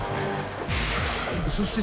［そして］